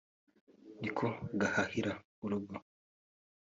niko gahahira urugo